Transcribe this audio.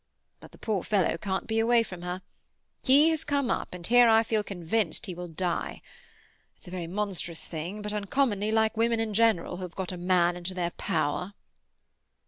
But the poor fellow can't be away from her. He has come up, and here I feel convinced he will die. It's a very monstrous thing, but uncommonly like women in general who have got a man into their power."